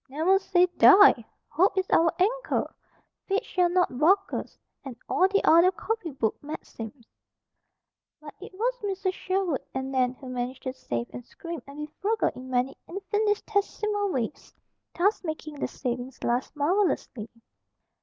"Never say die! Hope is our anchor! Fate shall not balk us! And all the other copy book maxims." But it was Mrs. Sherwood and Nan who managed to save and scrimp and be frugal in many infinitesimal ways, thus making their savings last marvelously.